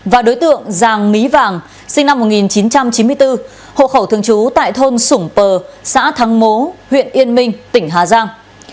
và đối tượng giàng mí vàng sinh năm một nghìn chín trăm chín mươi bốn hộ khẩu thường trú tại thôn sủng pờ xã thắng mố huyện yên minh tỉnh hà giang